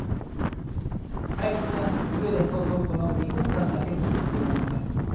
対立はスウェーデンとトルコの２国間だけにとどまりません。